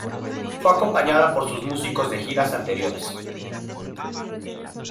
Fue acompañada por sus músicos de giras anteriores.